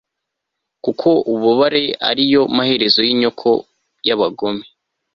kuko ububabare ari yo maherezo y'inyoko y'abagome